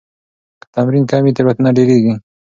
که تمرین کم وي، تېروتنه ډېريږي.